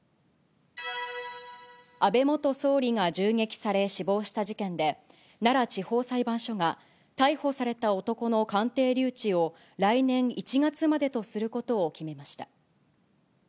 安倍元総理が銃撃され死亡した事件で、奈良地方裁判所が、逮捕された男の鑑定留置を来年１月までとすることを決めました。